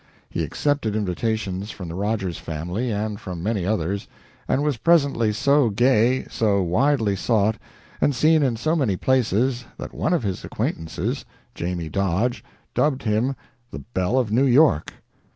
He accepted invitations from the Rogers family and from many others, and was presently so gay, so widely sought, and seen in so many places that one of his acquaintances, "Jamie" Dodge, dubbed him the "Belle of New York."